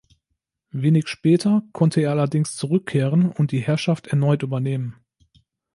Wenig später konnte er allerdings zurückkehren und die Herrschaft erneut übernehmen.